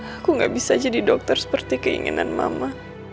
aku gak bisa jadi dokter seperti keinginan mama